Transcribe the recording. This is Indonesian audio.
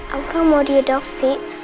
aku mau diadopsi